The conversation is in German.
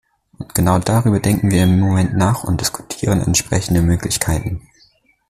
Und genau darüber denken wir im Moment nach und diskutieren entsprechende Möglichkeiten.